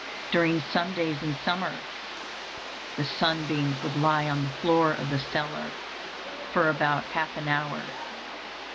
During some days in summer, the sunbeams would lie on the floor of the cellar for about half an hour.